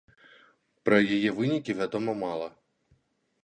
Пра яе вынікі вядома мала.